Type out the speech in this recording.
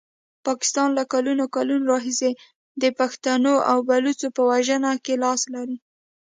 پاکستان له کلونو کلونو راهیسي د پښتنو او بلوڅو په وژنه کې لاس لري.